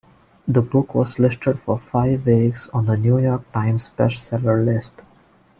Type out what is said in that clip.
The book was listed for five weeks on the "New York Times Bestseller List".